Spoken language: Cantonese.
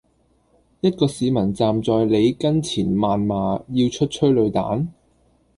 一個市民站在你跟前謾罵要出催淚彈？